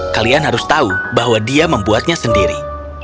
kalian harus tahu bahwa dia membuatnya sendiri